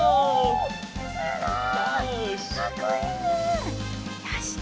おすごい！